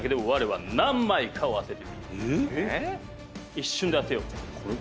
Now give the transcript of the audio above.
一瞬で当てよう。